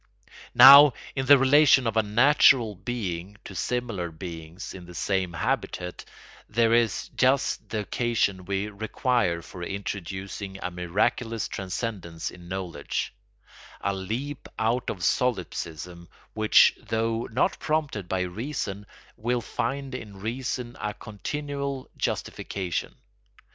Now, in the relation of a natural being to similar beings in the same habitat there is just the occasion we require for introducing a miraculous transcendence in knowledge, a leap out of solipsism which, though not prompted by reason, will find in reason a continual justification.